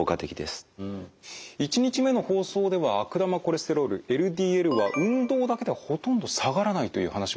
１日目の放送では悪玉コレステロールＬＤＬは運動だけではほとんど下がらないという話もありました。